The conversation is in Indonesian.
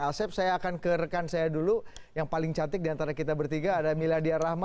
asep saya akan ke rekan saya dulu yang paling cantik diantara kita bertiga ada miladia rahma